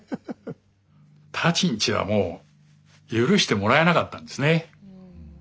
舘んちはもう許してもらえなかったんですね。